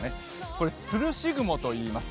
これ、つるし雲といいます。